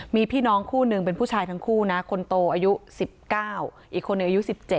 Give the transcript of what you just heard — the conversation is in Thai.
มีพี่น้องคู่หนึ่งเป็นผู้ชายทั้งคู่นะคนโตอายุ๑๙อีกคนหนึ่งอายุ๑๗